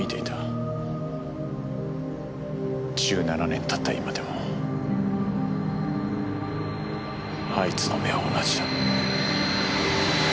１７年たった今でもあいつの目は同じだ。